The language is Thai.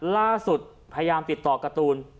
ล่าสุดพยายามติดต่อการ์ตูน